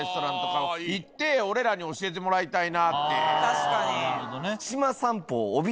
確かに。